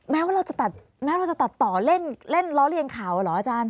ว่าเราจะตัดแม้เราจะตัดต่อเล่นล้อเลียนข่าวเหรออาจารย์